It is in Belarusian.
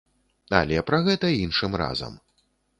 Але пра гэта іншым разам.